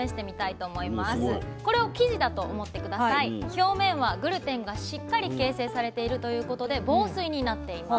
表面はグルテンがしっかり形成されているということで防水になっています。